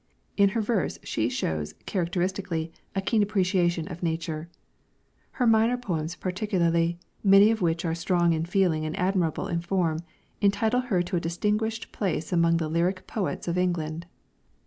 In her verse she shows characteristically a keen appreciation of nature. Her minor poems particularly, many of which are strong in feeling and admirable in form, entitle her to a distinguished place among the lyric poets of England.